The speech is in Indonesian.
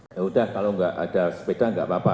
yaudah kalau enggak ada sepeda enggak apa apa